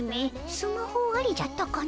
スマホありじゃったかの？